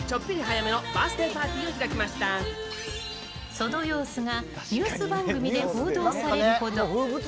その様子がニュース番組で報道されるほど。